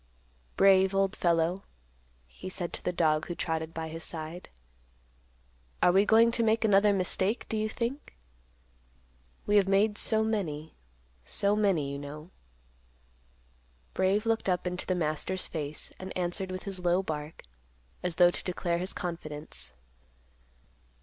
"Brave, old fellow," he said to the dog who trotted by his side; "are we going to make another mistake, do you think? We have made so many, so many, you know." Brave looked up into the master's face, and answered with his low bark, as though to declare his confidence.